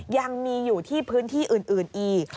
ยังมีอยู่ที่พื้นที่อื่นอีก